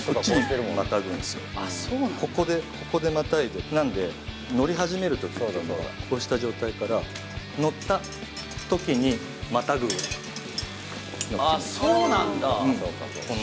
ここでここでまたいでなんで乗り始める時っていうのはこうした状態から乗った時にまたぐあっそうなんだうん